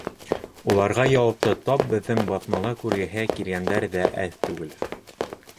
Уларға яуапты тап беҙҙең баҫмала күргеһе килгәндәр ҙә әҙ түгел.